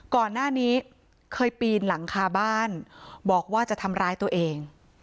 ก่อนหน้านี้เคยปีนหลังคาบ้านบอกว่าจะทำร้ายตัวเอง